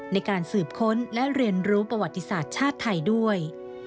ในการสืบค้นและเรียนรู้ประวัติศาสตร์ชาติไทยด้วย